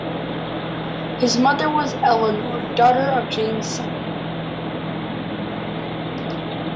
His mother was Eleanor, daughter of James Sutton.